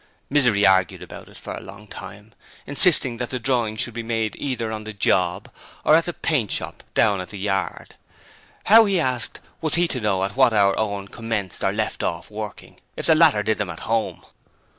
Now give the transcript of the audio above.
Misery argued about it for a long time, insisting that the drawings should be made either on the 'job' or at the paint shop down at the yard. How, he asked, was he to know at what hour Owen commenced or left off working, if the latter did them at home?